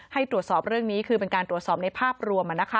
ให้ตรวจสอบเรื่องนี้คือเป็นการตรวจสอบในภาพรวม